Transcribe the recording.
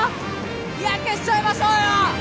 日焼けしちゃいましょうよ